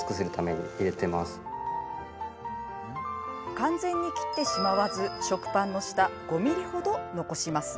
完全に切ってしまわず食パンの下５ｍｍ程、残します。